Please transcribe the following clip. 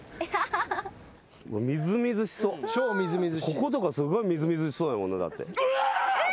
こことかすごいみずみずしそうだもんなだって。